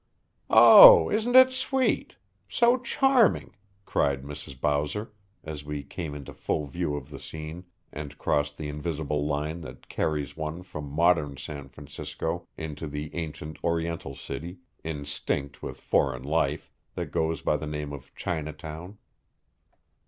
"Oh, isn't it sweet! So charming!" cried Mrs. Bowser, as we came into full view of the scene and crossed the invisible line that carries one from modern San Francisco into the ancient oriental city, instinct with foreign life, that goes by the name of Chinatown.